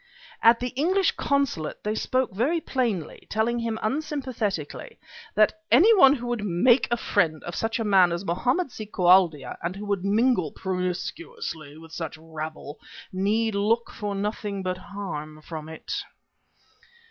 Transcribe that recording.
At the English consulate they spoke very plainly, telling him unsympathetically that anyone who would make a friend of such a man as Mohammed si Koualdia and who would mingle "promiscuously" with such rabble, need look for nothing but harm from it.